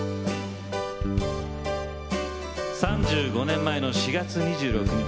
３５年前の４月２６日。